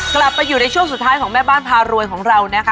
กลับไปอยู่ในช่วงสุดท้ายของแม่บ้านพารวยของเรานะคะ